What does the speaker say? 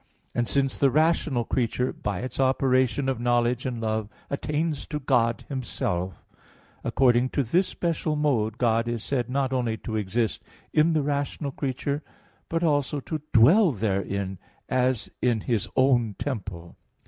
And since the rational creature by its operation of knowledge and love attains to God Himself, according to this special mode God is said not only to exist in the rational creature but also to dwell therein as in His own temple.